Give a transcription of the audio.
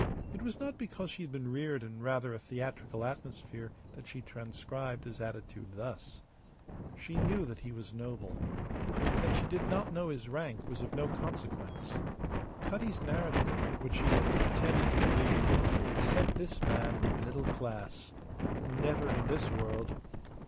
It was not because she had been reared in rather a theatrical atmosphere that she transcribed his attitude thus. She knew that he was noble. That she did not know his rank was of no consequence. Cutty's narrative, which she had pretended to believe, had set this man in the middle class. Never in this world.